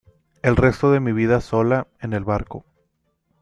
el resto de mi vida sola, en el barco.